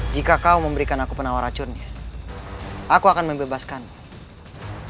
jika kau memberikan aku penawar racunnya aku akan membebaskan